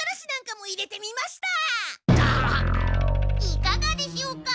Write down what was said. いかがでしょうか？